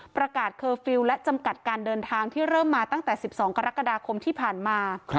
เคอร์ฟิลล์และจำกัดการเดินทางที่เริ่มมาตั้งแต่๑๒กรกฎาคมที่ผ่านมา